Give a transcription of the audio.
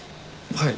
はい。